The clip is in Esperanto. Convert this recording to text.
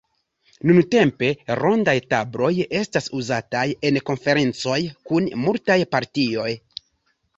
Nuntempe rondaj tabloj estas uzataj en konferencoj kun multaj partioj.